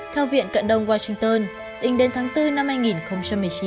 theo viện cận đông washington tính đến tháng bốn năm hai nghìn một mươi chín